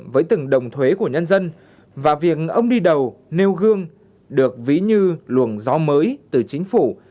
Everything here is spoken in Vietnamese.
và việc ông đi đầu nêu gương được vĩ như luồng gió mới từ chính phủ